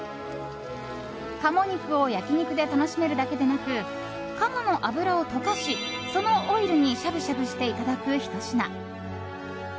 鴨肉を焼き肉で楽しめるだけでなく鴨の脂を溶かし、そのオイルにしゃぶしゃぶしていただくひと品。